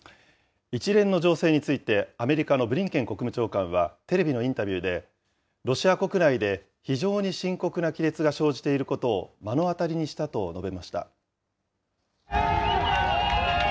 一連の情勢について、アメリカのブリンケン国務長官はテレビのインタビューで、ロシア国内で非常に深刻な亀裂が生じていることを目の当たりにしたと述べました。